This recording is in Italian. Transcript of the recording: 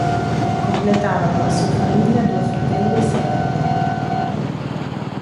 Completavano la sua famiglia due fratelli e sorelle.